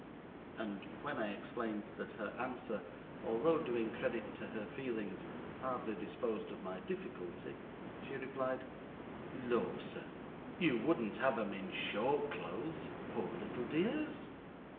And when I explained that her answer, although doing credit to her feelings, hardly disposed of my difficulty, she replied: "Lor', sir, you wouldn't have 'em in short clothes, poor little dears?"